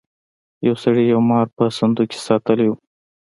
یو سړي یو مار په صندوق کې ساتلی و.